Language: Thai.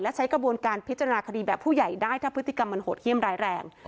และใช้กระบวนการพิจารณาคดีแบบผู้ใหญ่ได้ถ้าพฤติกรรมมันโหดเยี่ยมร้ายแรง